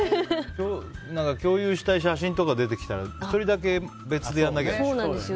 共有したい写真とか出てきたら１人だけ別でやんなきゃでしょ。